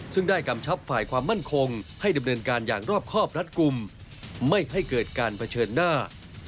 ซึ่งได้กำชับฝ่ายความมั่นคงให้ดำเนินการอย่างรอบครอบรัดกลุ่มไม่ให้เกิดการเผชิญหน้า